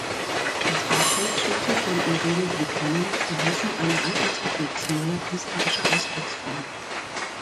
Die Farbholzschnitte von Irene Buchanan verhelfen einer alten Technik zu neuer künstlerischer Ausdrucksform.